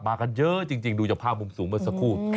กันเยอะจริงดูจากภาพมุมสูงเมื่อสักครู่